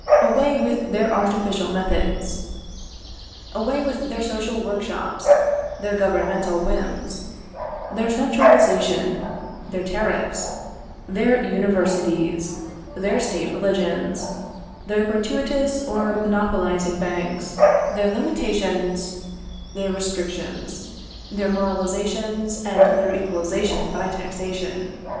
Away with their artificial methods! Away with their social workshops, their governmental whims, their centralization, their tariffs, their universities, their State religions, their gratuitous or monopolising banks, their limitations, their restrictions, their moralisations, and their equalisation by taxation!